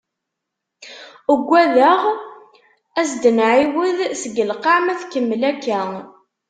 Uggadeɣ ad as-d-nɛiwed seg lqaɛ ma tkemmel akka.